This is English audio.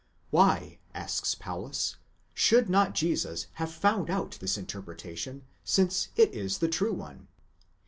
Why, asks Paulus, should not Jesus have found out this interprete tion, since it is the true one?